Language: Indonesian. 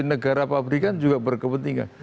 negara fabrikan juga berkepentingan